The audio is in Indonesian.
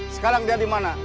sekarang dia dimana